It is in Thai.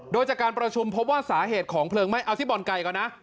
โดยจากการประชุมพบว่าสาเหตุของเพลิงไหม้เอาที่บ่อนไก่ก่อนนะ